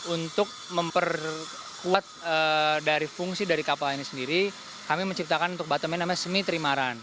untuk memperkuat dari fungsi dari kapal ini sendiri kami menciptakan untuk bottomen namanya semi trimaran